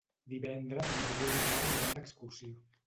Divendres en Julià i na Lara aniran d'excursió.